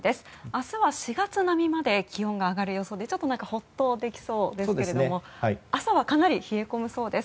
明日は４月並みまで気温が上がる予想でちょっとほっとできそうですけれども朝はかなり冷え込むそうです。